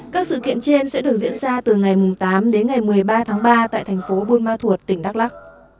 các sự kiện trên sẽ được diễn ra từ ngày tám đến ngày một mươi ba tháng ba tại thành phố buôn ma thuột tỉnh đắk lắc